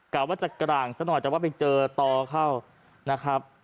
กล่าวว่าจะกร่างสักหน่อยแต่ว่าไปเจอต่อเข้า